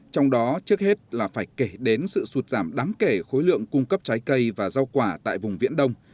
trong đó trước hết là phải kể đến sự sụt giảm đáng kể khối lượng cung cấp trái cây và rau quả tại vùng viễn đông